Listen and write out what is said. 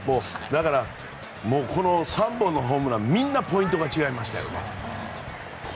だからこの３本のホームランみんなポイントが違いましたよね。